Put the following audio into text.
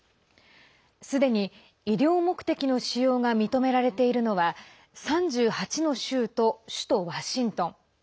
すでに医療目的の使用が認められているのは３８の州と首都ワシントン。